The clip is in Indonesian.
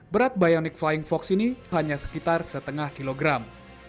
berat bionic flying fox ini hanya sekitar setengah kilogram